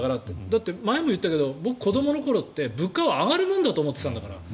だって前も言ったけど僕は子どもの頃って物価は上がるもんだと思っていたんだから。